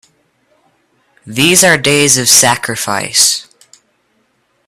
These are days of sacrifice!